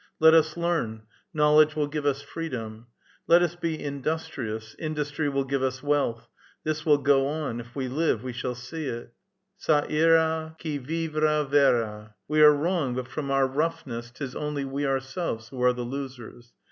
Let us learn ; knowledge will give us freedom. Let us be industri ous ; industry will give us wealth. This will go on ; if we live, we shall see it. Qa ira, Qui vivra verra. We are rough, but from our roughness 'tis only we ourselves who are the losers.